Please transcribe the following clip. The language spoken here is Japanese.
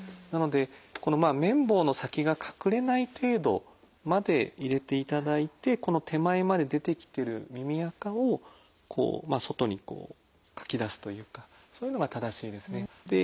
なのでこの綿棒の先が隠れない程度まで入れていただいてこの手前まで出てきてる耳あかを外にかき出すというかそういうのが正しいですね。